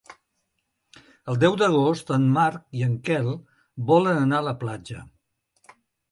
El deu d'agost en Marc i en Quel volen anar a la platja.